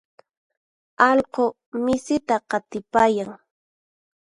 Allqu misita qatipayan.